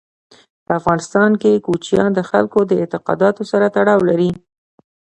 په افغانستان کې کوچیان د خلکو د اعتقاداتو سره تړاو لري.